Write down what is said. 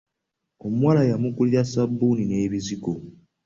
Omuwala yamugulira ssabuuni n'ebizigo.